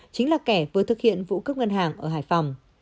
chính là kẻ vừa thực hiện vụ cướp ngân hàng ở hải phòng